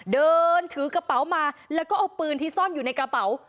เดินถือกระเป๋ามาแล้วก็เอาปืนที่ซ่อนอยู่ในกระเป๋า